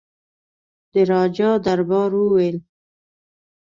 د راجا دربار وویل.